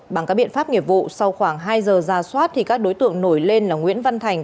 bằng các biện pháp nghiệp vụ sau khoảng hai giờ ra soát thì các đối tượng nổi lên là nguyễn văn thành